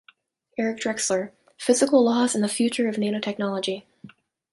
Eric Drexler : "Physical Laws and the future of nanotechnology".